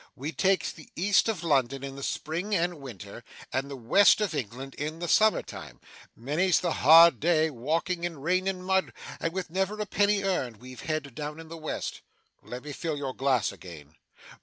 We takes the East of London in the spring and winter, and the West of England in the summer time. Many's the hard day's walking in rain and mud, and with never a penny earned, we've had down in the West.' 'Let me fill your glass again.